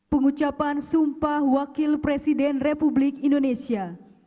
pengucapan sumpah wakil presiden republik indonesia